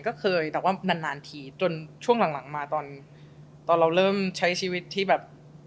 ก็เคยแต่ว่านานนานทีจนช่วงหลังมาตอนตอนเราเริ่มใช้ชีวิตที่แบบ